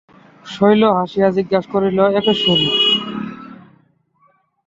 শৈল হাসিয়া জিজ্ঞাসা করিল, একেশ্বরী?